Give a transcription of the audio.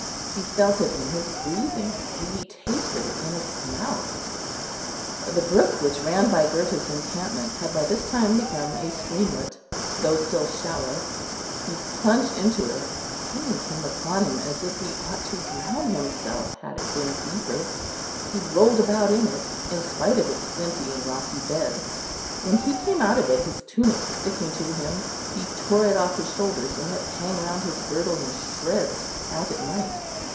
He felt it in his breathing; he tasted it in his mouth. The brook which ran by Gurta's encampment had by this time become a streamlet, though still shallow. He plunged into it; a feeling came upon him as if he ought to drown himself, had it been deeper. He rolled about in it, in spite of its flinty and rocky bed. When he came out of it, his tunic sticking to him, he tore it off his shoulders, and let it hang round his girdle in shreds, as it might.